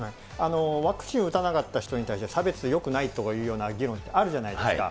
ワクチンを打たなかった人に対して差別よくないというような議論ってあるじゃないですか。